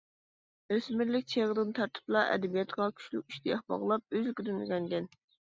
ئۆسمۈرلۈك چېغىدىن تارتىپلا ئەدەبىياتقا كۈچلۈك ئىشتىياق باغلاپ، ئۆزلۈكىدىن ئۆگەنگەن.